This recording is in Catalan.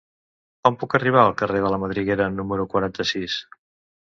Com puc arribar al carrer de la Madriguera número quaranta-sis?